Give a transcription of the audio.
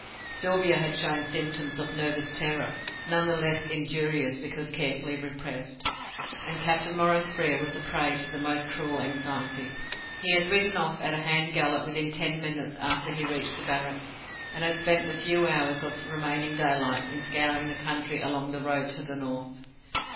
Sylvia had shown symptoms of nervous terror, none the less injurious because carefully repressed; and Captain Maurice Frere was a prey to the most cruel anxiety. He had ridden off at a hand gallop within ten minutes after he had reached the Barracks, and had spent the few hours of remaining daylight in scouring the country along the road to the North.